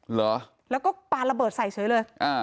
เหรอแล้วก็ปลาระเบิดใส่เฉยเลย